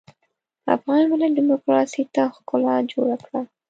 افغان ملت ډيموکراسۍ ته ښکلا جوړه کړه.